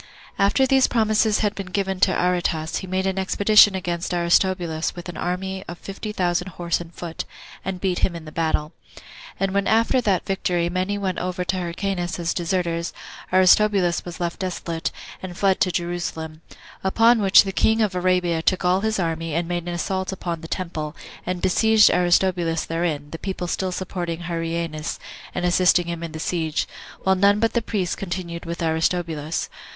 1. After these promises had been given to Aretas, he made an expedition against Aristobulus with an army of fifty thousand horse and foot, and beat him in the battle. And when after that victory many went over to Hyrcanus as deserters, Aristobulus was left desolate, and fled to Jerusalem; upon which the king of Arabia took all his army, and made an assault upon the temple, and besieged Aristobulus therein, the people still supporting Hyrcanus, and assisting him in the siege, while none but the priests continued with Aristobulus.